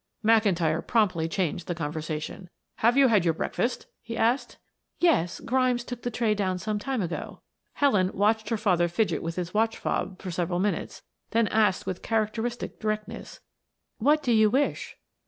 McIntyre promptly changed the conversation. "Have you had your breakfast?" he asked. "Yes; Grimes took the tray down some time ago." Helen watched her father fidget with his watch fob for several minutes, then asked with characteristic directness. "What do you wish?"